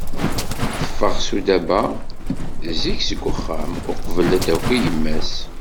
Teffeɣ Sudaba zik seg uxxam, uqbel ad d-taki yemma-s.